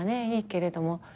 いいけれども。